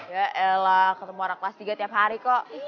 yaelah ketemu anak kelas tiga tiap hari kok